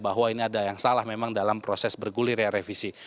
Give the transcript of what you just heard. bahwa ini ada yang salah memang dalam proses bergulir ya revisi